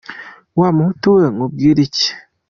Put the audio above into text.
Wa muhutu we nkubwire iki ?